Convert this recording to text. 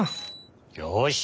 よし！